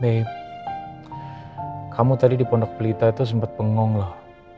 eh kamu tadi di pondok pelita itu sempat bengong loh